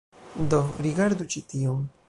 Do, rigardu ĉi tion